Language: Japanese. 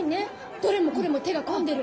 どれもこれも手が込んでる。